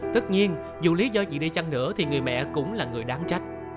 tất nhiên dù lý do chị đi chăng nữa thì người mẹ cũng là người đáng trách